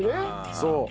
そう。